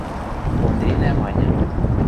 – Ондринӓ маньы.